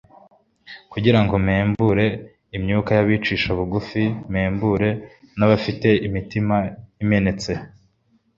kugira ngo mpembure imyuka y’abicisha bugufi, mpembure n’abafite imitima imenetse.”